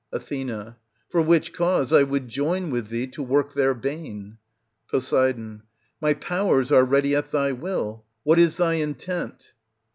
Ath. For which cause I would join with thee to work their bane. Pos. My powers are ready at thy Will. What is thy intent?